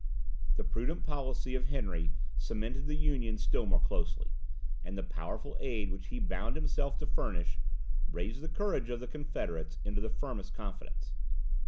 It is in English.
The prudent policy of Henry cemented the Union still more closely, and the powerful aid which he bound himself to furnish, raised the courage of the confederates into the firmest confidence.